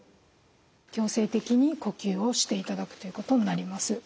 強制的に呼吸をしていただくということになります。